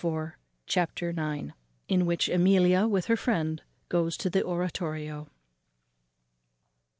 Chapter ix. _In which Amelia, with her friend, goes to the oratorio.